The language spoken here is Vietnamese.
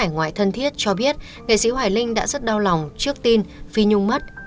nghệ sĩ hoài linh đã rất đau lòng trước tin phi nhung mất